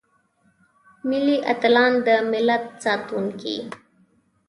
ملي اتلان دملت ساتونکي.